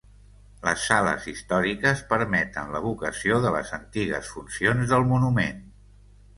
Les sales històriques permeten l'evocació de les antigues funcions del monument.